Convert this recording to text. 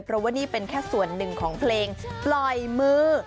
เพราะว่านี่เป็นแค่ส่วนหนึ่งของเพลงปล่อยมือ